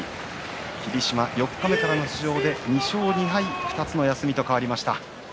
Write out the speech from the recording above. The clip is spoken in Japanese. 霧島、八日目からの出場で２勝２敗２つの休みと変わりました。